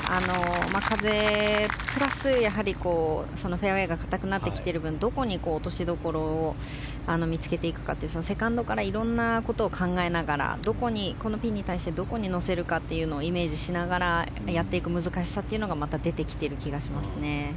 風プラスフェアウェーが硬くなってきている分どこに落としどころを見つけていくかというセカンドからいろんなことを考えながらこのピンのどこに乗せるかというのをイメージしながらやっていく難しさが出てきている気がしますね。